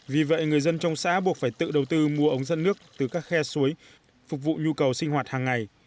vì vậy người dân trong xã buộc phải tự đầu tư mua ống dẫn nước từ các khe suối phục vụ nhu cầu sinh hoạt hàng ngày